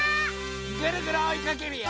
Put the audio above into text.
ぐるぐるおいかけるよ！